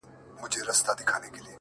او په خمارو ماښامونو کي به ځان ووينم;